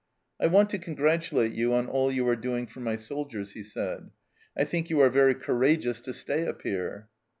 " I want to congratulate you on all you are doing for my soldiers," he said. " I think you are very courageous to stay up here."